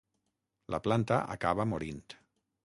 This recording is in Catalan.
La planta acaba morint.